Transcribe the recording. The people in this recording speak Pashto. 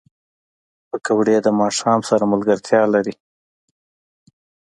پکورې د ماښام سره ملګرتیا لري